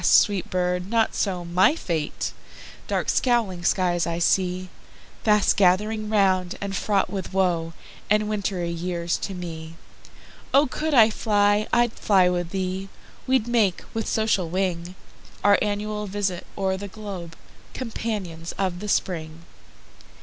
sweet bird! not so my fate, Dark scowling skies I seeFast gathering round, and fraught with woeAnd wintry years to me.O could I fly, I'd fly with thee:We'd make, with social wing, Our annual visit o'er the globe, Companions of the Spring.